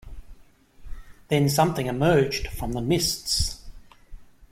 Then something emerged from the mists.